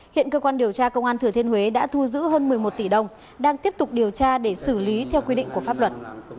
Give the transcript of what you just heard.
hiện cơ quan điều tra công an thừa thiên huế đã thu giữ hơn một mươi một tỷ đồng đang tiếp tục điều tra để xử lý theo quy định của pháp luật